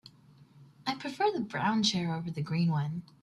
I prefer the brown chair over the green one.